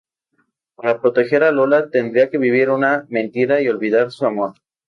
Para proteger a Lola, tendría que vivir una mentira y olvidar su amor.